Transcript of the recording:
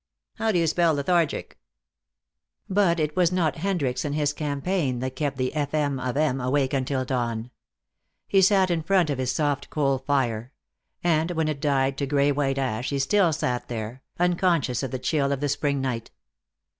How do you spell 'lethargic'?" But it was not Hendricks and his campaign that kept the F.M. of M. awake until dawn. He sat in front of his soft coal fire, and when it died to gray white ash he still sat there, unconscious of the chill of the spring night.